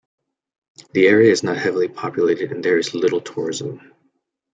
The area is not heavily populated and there is little tourism.